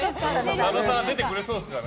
佐野さんは出てくれそうですかね？